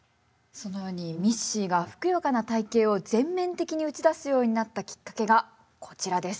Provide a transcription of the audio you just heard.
そのようにミッシーがふくよかな体型を全面的に打ち出すようになったきっかけがこちらです。